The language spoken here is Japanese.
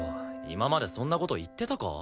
今までそんな事言ってたか？